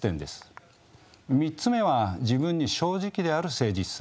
３つ目は自分に正直である誠実さ。